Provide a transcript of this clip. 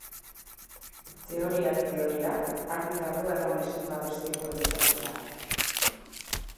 Teoriak teoria, argi dago erromesen babesteko eliza zela.